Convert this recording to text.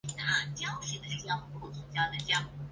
政协会议原本不在国民政府行宪的预备步骤中。